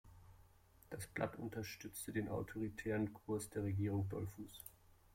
Das Blatt unterstützte den autoritären Kurs der Regierung Dollfuß.